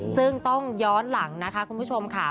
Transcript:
ซึ่งต้องย้อนหลังนะคะคุณผู้ชมค่ะ